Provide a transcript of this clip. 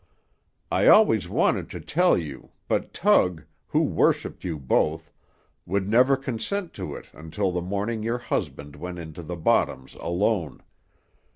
I always wanted to tell you, but Tug, who worshipped you both, would never consent to it until the morning your husband went into the bottoms alone.